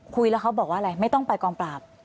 คุยแล้วเขาบอกว่าอะไรไม่ต้องไปกองปราบ